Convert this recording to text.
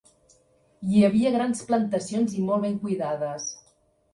Hi havia grans plantacions i molt ben cuidades.